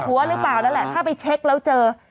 หรือเปล่านั่นแหละถ้าไปเช็คแล้วเจอ